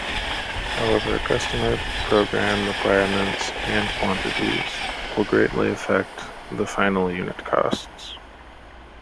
However customer program requirements and quantities will greatly affect the final unit costs.